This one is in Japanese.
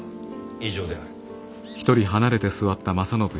以上である。